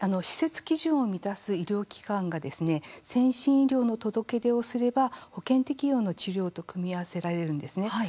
施設基準を満たす医療機関がですね、先進医療の届け出をすれば保険適用の治療と組み合わせられるんですね。